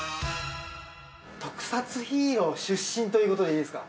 特撮ヒーロー出身ということでいいですか？